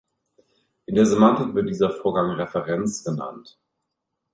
In der Semantik wird dieser Vorgang “Referenz” genannt.